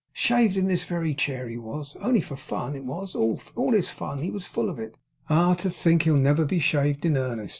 Shaved in this very chair he was; only for fun; it was all his fun; he was full of it. Ah! to think that he'll never be shaved in earnest!